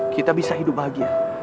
kita bisa hidup bahagia